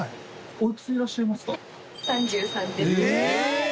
おいくつでいらっしゃいますか？